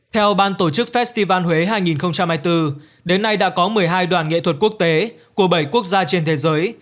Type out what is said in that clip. theo ban tổ chức festival huế hai nghìn hai mươi bốn đến nay đã có một mươi hai đoàn nghệ thuật quốc tế của bảy quốc gia trên thế giới